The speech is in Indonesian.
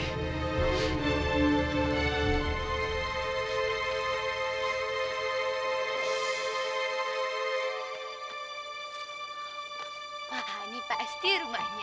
ini pasti rumahnya